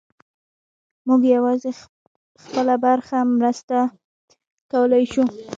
موږ یوازې خپله برخه مرسته کولی شو.